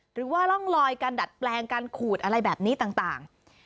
หรือว่าร่องลอยการดัดแปลงการขูดอะไรแบบนี้ต่าง